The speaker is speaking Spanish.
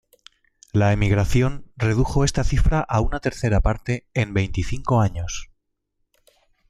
La emigración redujo esta cifra a una tercera parte en veinticinco años.